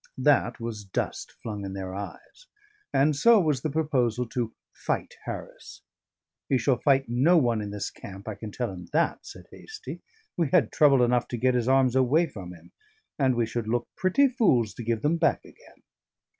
That was dust flung in their eyes, and so was the proposal to fight Harris. "He shall fight no one in this camp, I can tell him that," said Hastie. "We had trouble enough to get his arms away from him, and we should look pretty fools to give them back again.